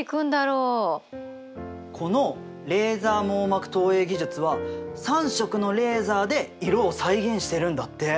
このレーザ網膜投影技術は３色のレーザで色を再現してるんだって。